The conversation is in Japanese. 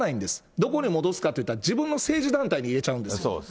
どこに戻すかっていったら、自分の政治団体に入れちゃうんです。